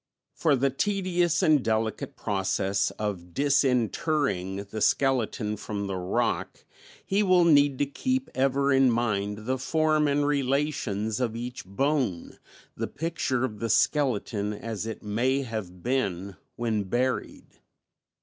For the tedious and delicate process of disinterring the skeleton from the rock he will need to keep ever in mind the form and relations of each bone, the picture of the skeleton as it may have been when buried.